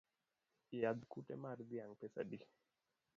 Yadh kute mar dhiang’ pesa adi?